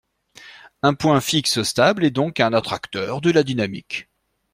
Un point fixe stable est donc un attracteur de la dynamique